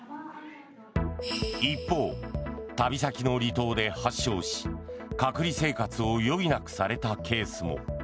一方、旅先の離島で発症し隔離生活を余儀なくされたケースも。